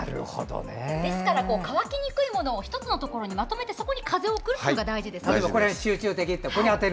ですから、乾きにくいものを１つにまとめてそこに風を送るのが大事ですね。